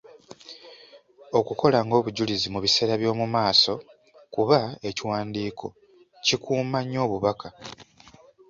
Okukola ng’obujulizi mu biseera by’omu maaso kuba ekiwandiiko kikuuma nnyo obubaka.